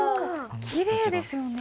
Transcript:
きれいですよね。